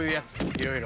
いろいろ。